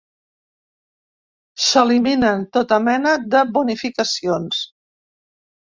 S'eliminen tota mena de bonificacions.